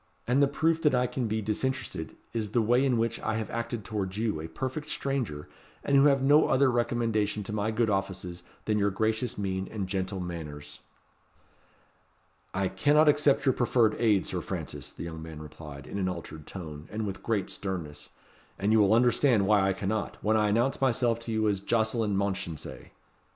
And the proof that I can be disinterested is the way in which I have acted towards you, a perfect stranger, and who have no other recommendation to my good offices than your gracious mien and gentle manners." "I cannot accept your proffered aid, Sir Francis," the young man replied, in an altered tone, and with great sternness. "And you will understand why I cannot, when I announce myself to you as Jocelyn Mounchensey."